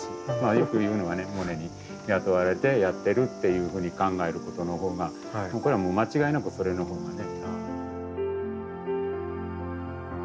よく言うのはねモネに雇われてやってるっていうふうに考えることのほうが僕らも間違いなくそれのほうがね。